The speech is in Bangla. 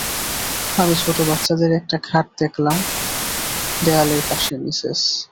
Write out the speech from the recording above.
আমি ছোট বাচ্চাদের একটা খাট দেখলাম দেয়ালের পাশে, মিসেস।